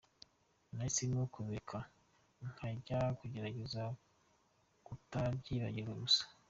Nahisemo kubireka nkajya ngerageze kutabyibagirwa gusa.